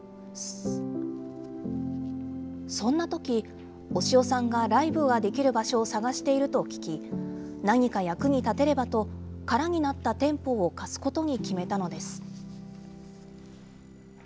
そんなとき、押尾さんがライブができる場所を探していると聞き、何か役に立てればと、空になった店舗を貸すことに決めたのです。